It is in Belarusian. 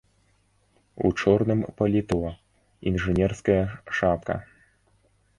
У чорным паліто, інжынерская шапка.